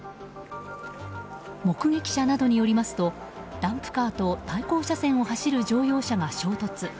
目撃者などによりますとダンプカーと対向車線を走る乗用車が衝突。